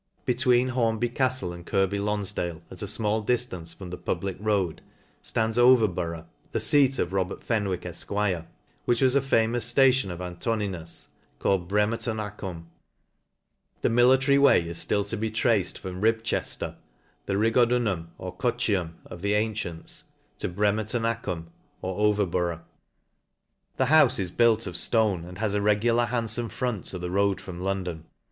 Between Hornby Cajile and Kirkby~Lanfdal*$. at a fmall diftance from the public road, (lands Over borougb, the feat of Robert Fenwick, Efq; which was a famous ftation of Antoninus^ called Bremeionacum, The military way is ftill to be traced from Hibchefter 9 the Rigodunum or Coccium of the antients, to Breme tonacwn, or Overborough, The houfe is built of ftone, and has a regular handfome front to the road from London.